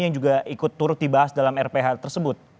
yang juga ikut turut dibahas dalam rph tersebut